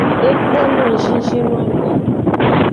Ekpo no ngzinzin noame.